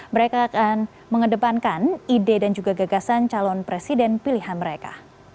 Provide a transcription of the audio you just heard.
mereka akan mengedepankan ide dan juga gagasan calon presiden pilihan mereka